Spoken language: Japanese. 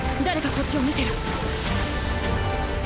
誰かこっちを見てる。